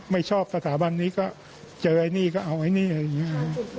ไม่ชอบสถาบันนี้ก็เจอก็เอาไอ้นี้